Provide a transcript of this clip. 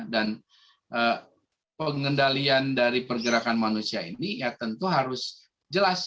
dan pengendalian dari pergerakan manusia ini ya tentu harus jelas